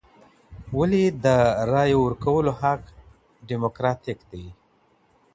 ولي د رایې ورکولو حق ډیموکراتیک دی؟